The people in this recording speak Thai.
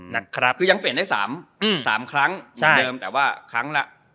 นะครับคือยังเปลี่ยนได้สามอืมสามครั้งเดิมเดิมแต่ว่าครั้งละ